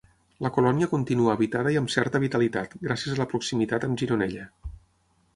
La colònia continua habitada i amb certa vitalitat, gràcies a la proximitat amb Gironella.